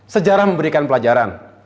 sejarah memberikan pelajaran